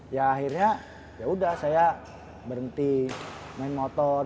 ya akhirnya ya udah saya berhenti main motor